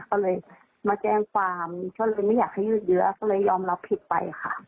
ก็เลยมาแจ้งความก็เลยไม่อยากให้ยืดเยอะก็เลยยอมรับผิดไปค่ะ